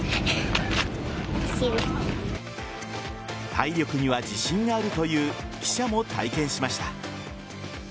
体力には自信があるという記者も体験しました。